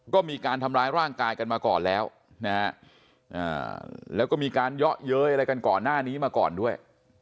ก็มีการทำร้ายร่างกายกันมาก่อนแล้วนะฮะแล้วก็มีการเยาะเย้ยอะไรกันก่อนหน้านี้มาก่อนด้วย